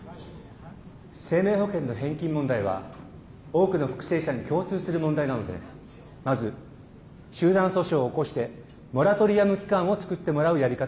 生命保険の返金問題は多くの復生者に共通する問題なのでまず集団訴訟を起こしてモラトリアム期間を作ってもらうやり方があります。